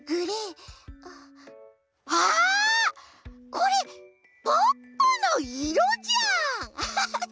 これポッポのいろじゃん！